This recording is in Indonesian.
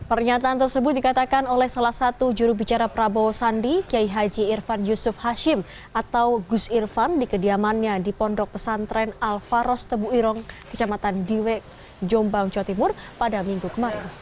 pernyataan tersebut dikatakan oleh salah satu jurubicara prabowo sandi kiai haji irfan yusuf hashim atau gus irfan di kediamannya di pondok pesantren al faros tebu irong kecamatan diwek jombang jawa timur pada minggu kemarin